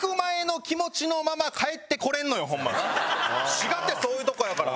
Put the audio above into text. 滋賀ってそういうとこやから。